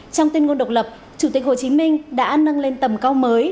trong tuyên ngôn độc lập chủ tịch hồ chí minh đã nâng lên tầm cao mới